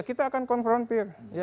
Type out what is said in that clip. kita akan konfrontir